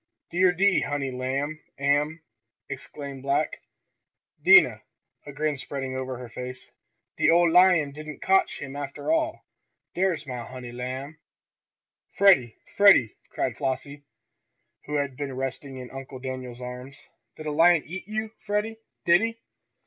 "Dere de honey lamb am!" exclaimed black Dinah, a grin spreading over her face. "De ole lion didn't cotch him after all. Dere's mah honey lamb!" "Freddie! Freddie!" cried Flossie, who had been resting in Uncle Daniel's arms, "did a lion eat you, Freddie? Did he?"